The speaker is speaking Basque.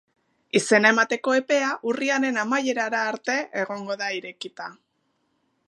Izena emateko epea urriaren amaierara arte egongo da irekita.